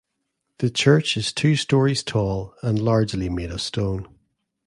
The church is two stories tall and largely made of stone.